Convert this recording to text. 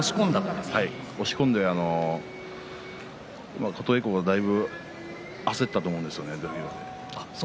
押し込んで、琴恵光、だいぶ焦ったと思うんですよね。